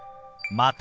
「また」。